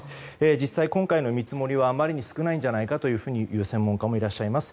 実際今回の見積もりはあまりに少ないんじゃないかという専門家もいらっしゃいます。